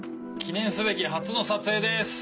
記念すべき初の撮影です